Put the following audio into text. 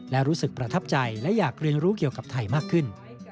และรู้สึกประทับใจและอยากเรียนรู้เกี่ยวกับไทยมากขึ้น